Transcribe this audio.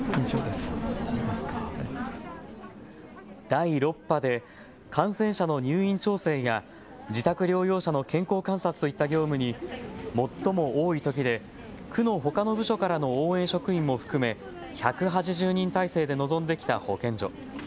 第６波で感染者の入院調整や自宅療養者の健康観察といった業務に最も多いときで区のほかの部署からの応援職員も含め１８０人体制で臨んできた保健所。